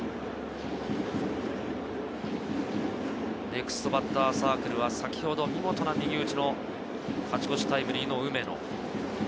ネクストバッターズサークルは先ほど見事な右打ちの勝ち越しタイムリーの梅野。